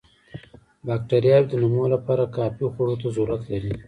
باکټریاوې د نمو لپاره کافي خوړو ته ضرورت لري.